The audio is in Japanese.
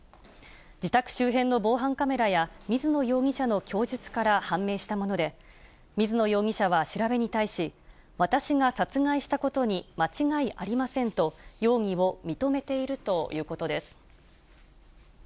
自宅周辺の防犯カメラや、水野容疑者の供述から判明したもので、水野容疑者は調べに対し、私が殺害したことに間違いありませんと、容疑を認めているということです。